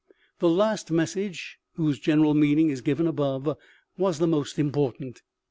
The last message, whose general meaning is given above, was the most important.